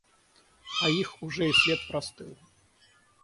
А их уже и след простыл.